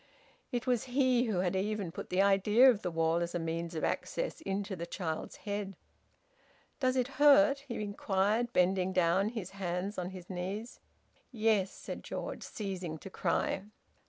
It was he who had even put the idea of the wall as a means of access into the child's head. "Does it hurt?" he inquired, bending down, his hands on his knees. "Yes," said George, ceasing to cry.